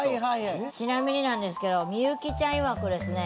ちなみになんですけど幸ちゃんいわくですね